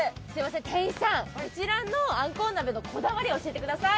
店員さん、こちらのあんこう鍋のこだわり教えてください。